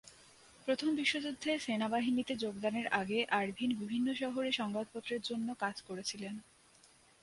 প্রথম বিশ্বযুদ্ধে সেনাবাহিনীতে যোগদানের আগে আরভিন বিভিন্ন শহরে সংবাদপত্রের জন্য কাজ করেছিলেন।